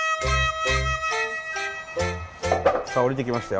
さあ下りてきましたよ。